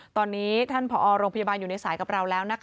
ตอนนี้ท่านผอโรงพยาบาลอยู่ในสายกับเราแล้ว